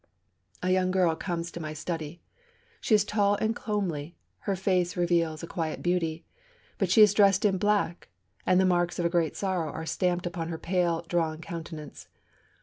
A young girl comes to my study. She is tall and comely, and her face reveals a quiet beauty. But she is dressed in black, and the marks of a great sorrow are stamped upon her pale, drawn countenance.